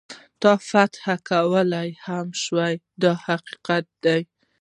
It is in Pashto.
تا فتح کولای هم شي دا حقیقت دی.